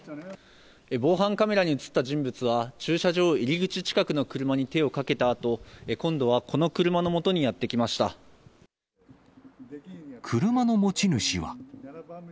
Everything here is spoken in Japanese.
防犯カメラに写った人物は、駐車場入り口近くの車に手をかけたあと、今度はこの車のもとにや車の持ち主は。